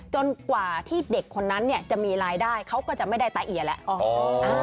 กว่าที่เด็กคนนั้นจะมีรายได้เขาก็จะไม่ได้ตาเอียแล้ว